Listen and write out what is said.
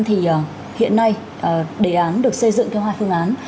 thì hiện nay đề án được xây dựng theo hai phương án